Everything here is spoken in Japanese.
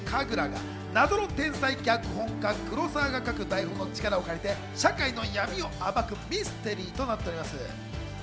ドラマは元子役の弁護士・神楽が謎の天才脚本家・黒澤が書く台本の力を借りて社会の闇を暴くミステリーとなっております。